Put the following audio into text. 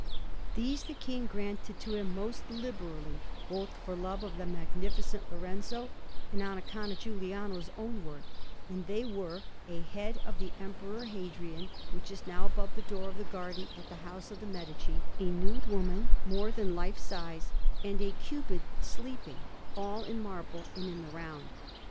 These the King granted to him most liberally, both for love of the Magnificent Lorenzo and on account of Giuliano's own worth; and they were a head of the Emperor Hadrian, which is now above the door of the garden at the house of the Medici, a nude woman, more than life size, and a Cupid sleeping, all in marble and in the round.